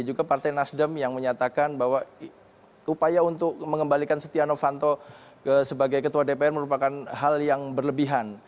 juga partai nasdem yang menyatakan bahwa upaya untuk mengembalikan setia novanto sebagai ketua dpr merupakan hal yang berlebihan